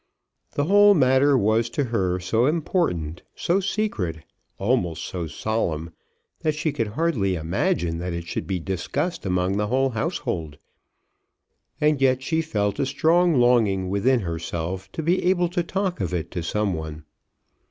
The whole matter was to her so important, so secret, almost so solemn, that she could hardly imagine that it should be discussed among the whole household. And yet she felt a strong longing within herself to be able to talk of it to some one.